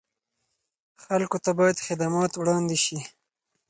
خلکو ته باید خدمات وړاندې شي.